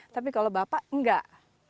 tapi kalau bapak enggak